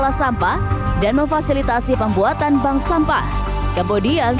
tetapi sebabnya perbedaan informasi tersebut tersebut tidak bisa dicati sebanyak unaus pesertanya